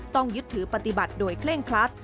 ต้องยึดถือปฏิบัติโดยเคร่งครัด